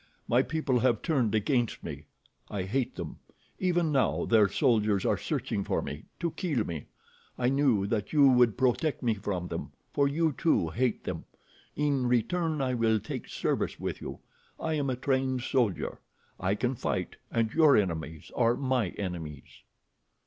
My people have turned against me. I hate them. Even now their soldiers are searching for me, to kill me. I knew that you would protect me from them, for you, too, hate them. In return I will take service with you. I am a trained soldier. I can fight, and your enemies are my enemies."